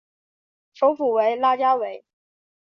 首府为拉加韦。